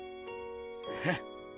フッ。